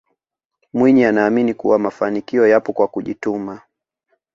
mwinyi anaamini kuwa mafanikio yapo kwa kujituma